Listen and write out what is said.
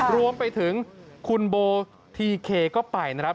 รวมไปถึงคุณโบทีเคก็ไปนะครับ